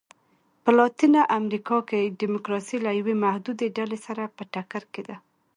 په لاتینه امریکا کې ډیموکراسي له یوې محدودې ډلې سره په ټکر کې ده.